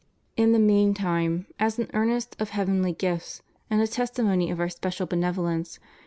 In the meantime, as an earnest of heavenly gifts, and a testimony of Our special benevolence.